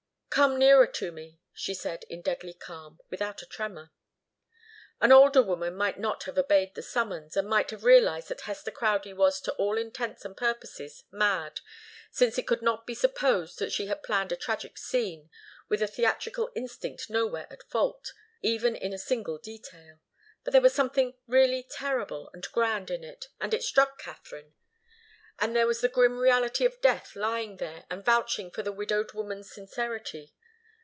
"Come nearer to me," she said, in deadly calm, without a tremor. An older woman might not have obeyed the summons, and might have realized that Hester Crowdie was to all intents and purposes mad, since it could not be supposed that she had planned a tragic scene, with a theatrical instinct nowhere at fault, even in a single detail. But there was something really terrible and grand in it, as it struck Katharine; and there was the grim reality of death lying there and vouching for the widowed woman's sincerity.